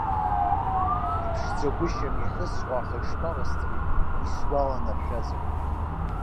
Иԥшӡагәышьам иахьысҳәо, аха ишԥаҟасҵари исгәаланаршәазар.